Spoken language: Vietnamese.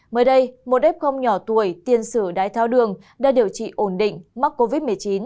mới đây một f nhỏ tuổi tiên sử đái tháo đường đã điều trị ổn định mắc covid một mươi chín